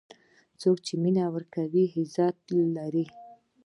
څوک چې مینه ورکوي، تل عزت لري.